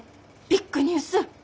ビッグニュース。